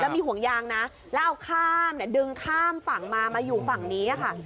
มีห่วงยางนะแล้วเอาข้ามเนี่ยดึงข้ามฝั่งมามาอยู่ฝั่งนี้ค่ะ